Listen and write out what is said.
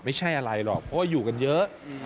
ไม่ใช่อะไรหรอกเพราะว่าอยู่กันเยอะ